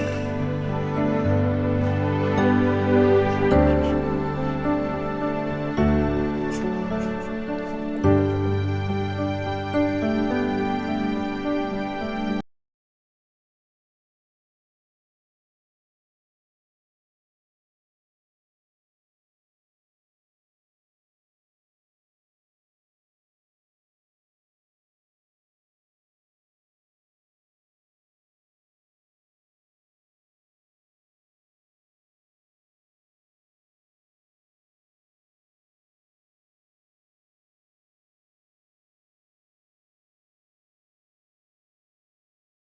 jangan sampai beli beli